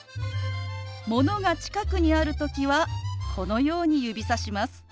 ものが近くにある時はこのように指さします。